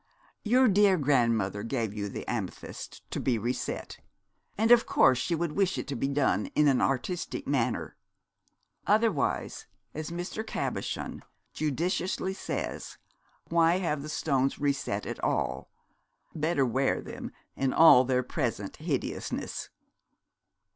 'Your dear grandmother gave you the amethysts to be reset; and of course she would wish it to be done in an artistic manner. Otherwise, as Mr. Cabochon judiciously says, why have the stones reset at all? Better wear them in all their present hideousness.'